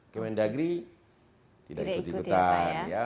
kemendagri tidak ikuti betan